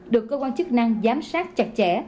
được cơ quan chức năng giám sát chặt chẽ